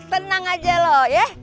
tenang aja lo ya